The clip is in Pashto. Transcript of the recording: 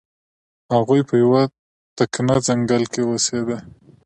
هغوی په یو تکنه ځنګل کې اوسیده.